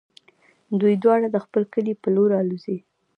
دوی دواړه د خپل کلي په لور الوزي.